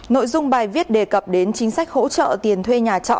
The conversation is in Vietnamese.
nội dung bài viết đề cập đến chính sách hỗ trợ tiền thuê nhà trọ